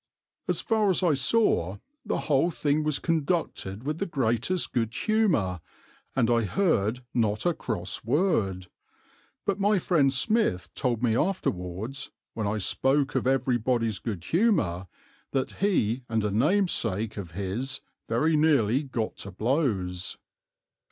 As far as I saw, the whole thing was conducted with the greatest good humour, and I heard not a cross word; but my friend Smith told me afterwards, when I spoke of everybody's good humour, that he and a namesake of his very nearly got to blows.